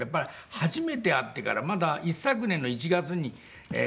初めて会ってからまだ一昨年の１月に。